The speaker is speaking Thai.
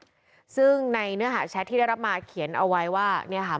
ซึ่งในเนื้อหาแชทที่ได้รับมาเขียนเอาไว้ว่าเนี่ยค่ะ